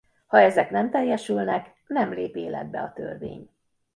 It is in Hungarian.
Ha ezek nem teljesülnek nem lép életbe a törvény.